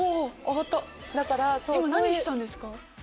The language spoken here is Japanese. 今何したんですか？